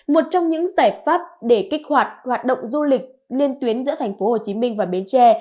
một trong những giải pháp để kích hoạt hoạt động du lịch liên tuyến giữa thành phố hồ chí minh và bến tre